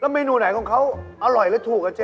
เมนูไหนของเขาอร่อยหรือถูกอ่ะเจ๊